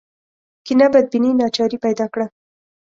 کینه بدبیني ناچاري پیدا کړه